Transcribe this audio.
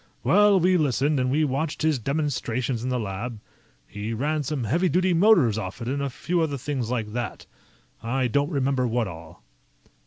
Well, we listened, and we watched his demonstrations in the lab. He ran some heavy duty motors off it and a few other things like that. I don't remember what all."